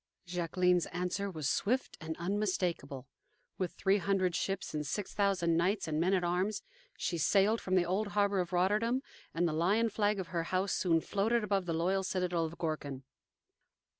Jacqueline's answer was swift and unmistakable. With three hundred ships and six thousand knights and men at arms, she sailed from the old harbor of Rotterdam, and the lion flag of her house soon floated above the loyal citadel of Gorkum.